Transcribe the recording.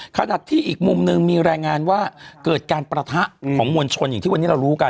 ขณะที่อีกมุมหนึ่งมีรายงานว่าเกิดการประทะของมวลชนอย่างที่วันนี้เรารู้กัน